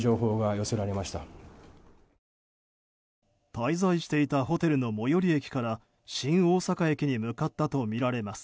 滞在していたホテルの最寄り駅から新大阪駅に向かったとみられます。